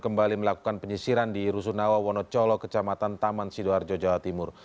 kembali melakukan penyisiran di rusunawa wonocolo kecamatan taman sidoarjo jawa timur